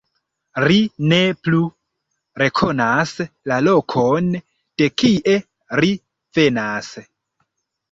Ri ne plu rekonas la lokon, de kie ri venas.